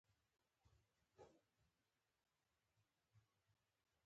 ماشوم د وريجو پسې چيغه کړه.